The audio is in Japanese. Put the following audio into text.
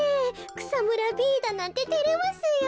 くさむらＢだなんててれますよ。